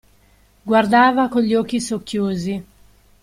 Guardava con gli occhi socchiusi.